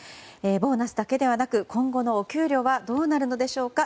ボーナスだけではなく今後のお給料はどうなるのでしょうか。